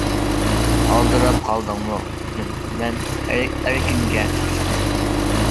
-ئالدىراپ قالدىڭمۇ؟ -دېدىم مەن ئەركىنگە چاقچاق قىلىپ.